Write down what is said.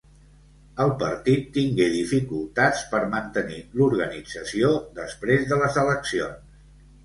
El partit tingué dificultats per mantenir l'organització després de les eleccions.